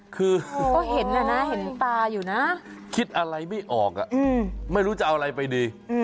คือก็เห็นนะนะเห็นตาอยู่นะคิดอะไรไม่ออกไม่รู้จะเอาอะไรไปดี